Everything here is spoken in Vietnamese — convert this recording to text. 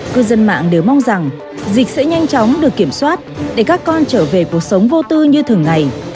cư dân mạng đều mong rằng dịch sẽ nhanh chóng được kiểm soát để các con trở về cuộc sống vô tư như thường ngày